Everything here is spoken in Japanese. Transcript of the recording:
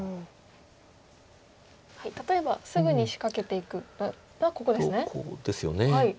例えばすぐに仕掛けていくのはここですね。とこうですよね。